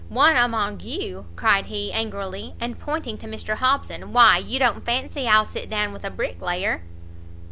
"One among you?" cried he, angrily, and pointing to Mr Hobson, "why you don't fancy I'll sit down with a bricklayer?"